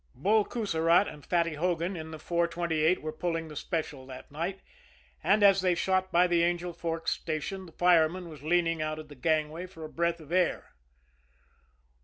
Bull Coussirat and Fatty Hogan, in the 428, were pulling the Special that night, and as they shot by the Angel Forks station the fireman was leaning out of the gangway for a breath of air.